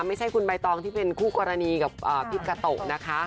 ไม่ใช่คุณใบตองที่เป็นคู่กรณีกับพระพิทธิ์กะตกนะคะ